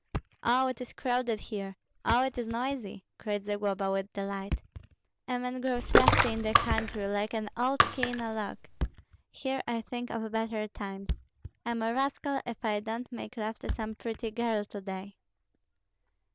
"Oh, it is crowded here! Oh, it is noisy!" cried Zagloba, with delight. "A man grows rusty in the country, like an old key in a lock; here I think of better times. I'm a rascal if I don't make love to some pretty girl to day."